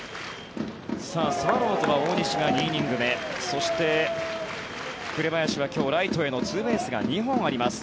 スワローズが大西が２イニング目そして、紅林は今日、ライトへのツーベースが２本あります。